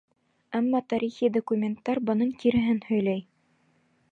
Әммә тарихи документтар бының киреһен һөйләй.